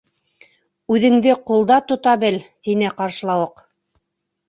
—Үҙеңде ҡулда тота бел! —тине Ҡарышлауыҡ.